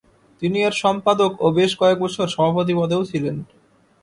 তিনি এর সম্পাদক ও বেশ কয়েক বছর সভাপতি পদেও ছিলেন।